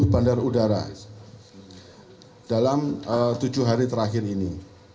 sepuluh bandar udara dalam tujuh hari terakhir ini